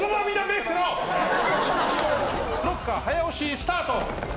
ブロッカー早押しスタート。